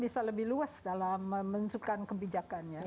dan lebih luwes dalam mensuhkan kebijakannya